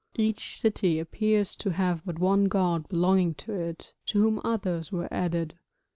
Each city appears to have but one god belonging to it, to whom others were added.